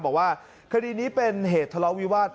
บอกว่าคดีนี้เป็นเหตุทะเลาะวิวาส